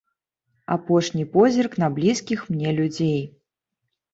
Апошні позірк на блізкіх мне людзей.